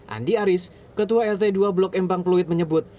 andi aris ketua lt dua blok embang fluid menyebut